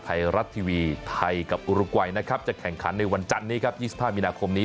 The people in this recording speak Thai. ไทยรัฐทีวีไทยกับอุรกวัยนะครับจะแข่งขันในวันจันนี้ครับ๒๕มีนาคมนี้